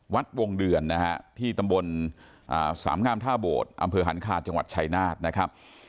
วัดวงเดือนนะฮะที่ตำบลสามงามท่าโบดอำเภอหันคาจังหวัดชายนาฏนะครับ